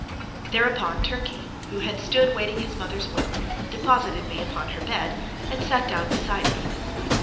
Thereupon Turkey, who had stood waiting his mother's will, deposited me upon her bed, and sat down beside me.